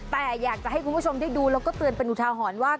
แต่อยากจะให้คุณผู้ชมได้ดูแล้วก็เตือนเป็นอุทาหรณ์ว่า